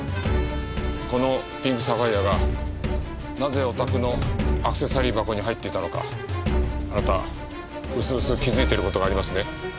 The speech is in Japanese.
このピンクサファイアがなぜお宅のアクセサリー箱に入っていたのかあなた薄々気づいている事がありますね？